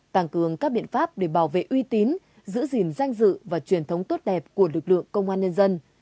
tăng cường các biện pháp để bảo vệ uy tín giữ gìn danh dự và truyền thống tốt đẹp của lực lượng công an nhân dân